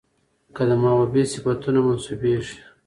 که د محبوبې صفتونه منسوبېږي،